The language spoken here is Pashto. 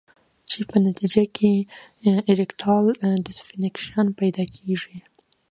چې پۀ نتېجه کښې ايريکټائل ډسفنکشن پېدا کيږي